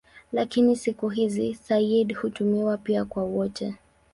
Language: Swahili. Lakini siku hizi "sayyid" hutumiwa pia kwa wote.